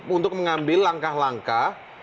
untuk mengambil langkah langkah